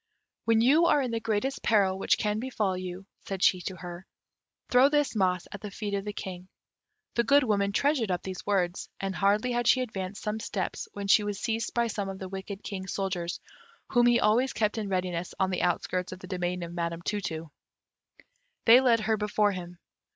"When you are in the greatest peril which can befall you," said she to her, "throw this moss at the feet of the King." The Good Woman treasured up these words, and hardly had she advanced some steps when she was seized by some of the wicked King's soldiers, whom he always kept in readiness on the outskirts of the domain of Madam Tu tu. They led her before him.